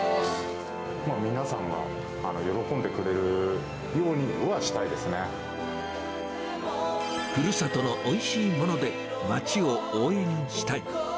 皆さんが喜んでくれるようにふるさとのおいしいもので、街を応援したい。